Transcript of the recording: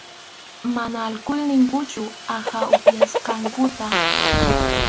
Mana alkul ninkuchu aqha upyasqankuta.